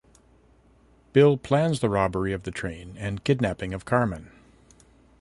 Bill plans the robbery of the train and kidnapping of Carmen.